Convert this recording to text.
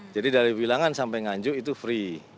jadi dari wilangan sampai nganjuk itu free